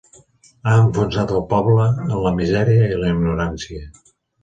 Ha enfonsat el poble en la misèria i la ignorància.